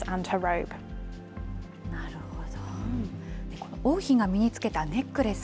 この王妃が身に着けたネックレス。